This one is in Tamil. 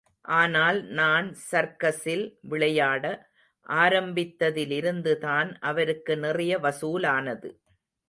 ஆனால் நான் சர்க்கஸில் விளையாட ஆரம்பித்ததிலிருந்துதான் அவருக்கு நிறைய வசூலானது.